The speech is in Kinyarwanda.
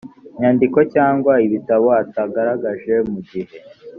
nyandiko cyangwa ibitabo atagaragaje mu gihe